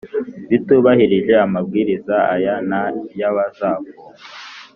bitubahirije Amabwiriza aya n ayabazafungwa